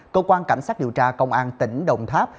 cơ quan cảnh sát điều tra công an tỉnh đồng tháp